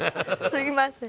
「すいません」